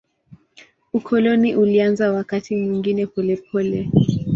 Ukoloni ulianza wakati mwingine polepole.